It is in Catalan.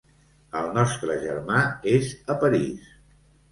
El nostre germà és a París.